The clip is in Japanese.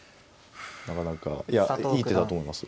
なかなかいやいい手だと思います。